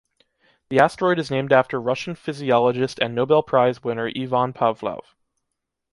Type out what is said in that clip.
The asteroid is named after Russian physiologist and Nobel prize winner Iwan Pawlow.